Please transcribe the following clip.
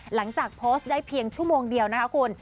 หลังจากโพสต์ได้เพียงชั่วโมงเดียวนะคะคุณ